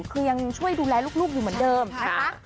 คือยังช่วยดูแลลูกอยู่เหมือนเดิมนะคะ